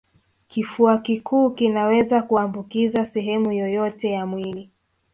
Kifua kikuu kinaweza kuambukiza sehemu yoyote ya mwili